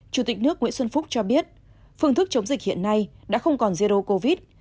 chủ tịch nước nguyễn xuân phúc cho biết phương thức chống dịch hiện nay đã không còn zero covid